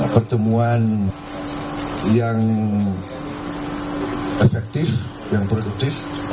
pertemuan yang efektif yang produktif